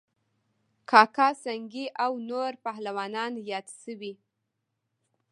کاکه سنگی او نور پهلوانان یاد شوي